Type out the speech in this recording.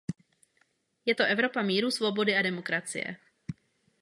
Je to Evropa míru, svobody a demokracie.